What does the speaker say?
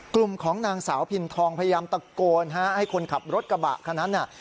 กลุ่มของนางสาวพินทองพยายามตะโกนให้คนขับรถกระบะคันนั้นน่ะ